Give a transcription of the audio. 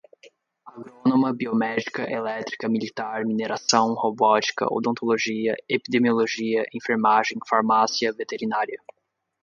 agrônoma, biomédica, elétrica, militar, mineração, robótica, odontologia, epidemiologia, enfermagem, farmácia, veterinária